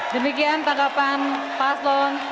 demikian tanggapan paslon tiga